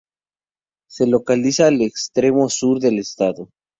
Se localiza al extremo sur del estado.